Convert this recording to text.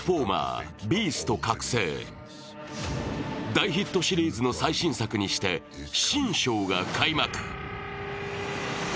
大ヒットシリーズの最新作にして新章が開幕。